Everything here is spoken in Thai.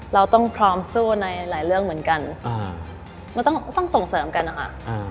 เราต้องพร้อมสู้ในหลายเรื่องเหมือนกันมันต้องต้องส่งเสริมกันนะคะ